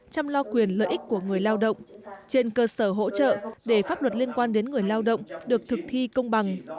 chăm lo quyền lợi ích của người lao động trên cơ sở hỗ trợ để pháp luật liên quan đến người lao động được thực thi công bằng